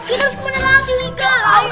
kita harus kemana lagi kak